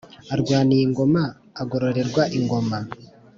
Arwaniye ingoma agororerwa ingoma.